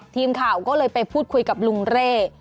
ทีมข่าวก็เลยไปพูดคุยกับลุงเร่